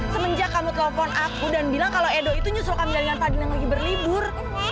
semenjak kamu telepon aku dan bilang kalau edo itu nyusulkan jalan yang pagi lagi berlibur